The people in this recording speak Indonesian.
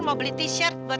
mau beli t shirt buat